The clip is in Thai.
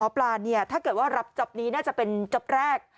หมอปลาเนี่ยถ้าเกิดว่ารับจบนี้น่าจะเป็นจบแรก